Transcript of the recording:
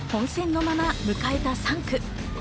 混戦のまま迎えた３区。